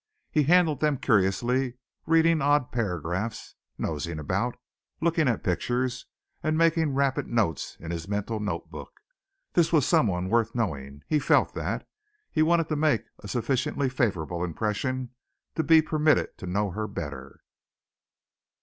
He handled them curiously, reading odd paragraphs, nosing about, looking at pictures, and making rapid notes in his mental notebook. This was someone worth knowing, he felt that. He wanted to make a sufficiently favorable impression to be permitted to know her better.